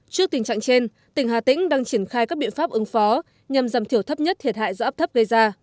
trước tình trạng trên tỉnh hà tĩnh đang triển khai các biện pháp ứng phó nhằm giảm thiểu thấp nhất thiệt hại do áp thấp gây ra